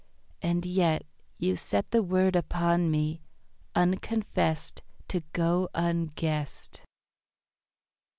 And yet You set The word upon me, unconfessed To go unguessed.